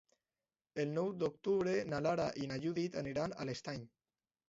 El nou d'octubre na Lara i na Judit aniran a l'Estany.